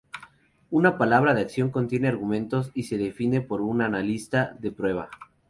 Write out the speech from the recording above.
Una palabra de acción contiene argumentos y se define por un analista de prueba.